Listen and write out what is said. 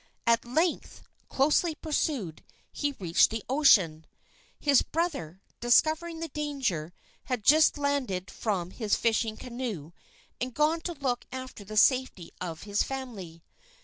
At length, closely pursued, he reached the ocean. His brother, discovering the danger, had just landed from his fishing canoe and gone to look after the safety of his family.